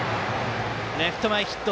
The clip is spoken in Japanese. レフト前ヒット。